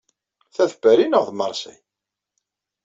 Ta d Paris neɣ d Marseille?